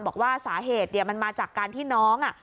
บอกว่าสาเหตุมันมาจากการที่น้อง